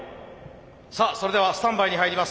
さあそれではスタンバイに入ります。